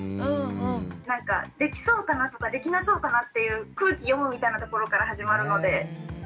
なんかできそうかな？とかできなそうかな？っていう空気読むみたいなところから始まるのでちょっと疲れますね。